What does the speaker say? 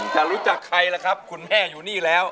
รู้จักใครล่ะครับคุณแม่อยู่นี่แล้ว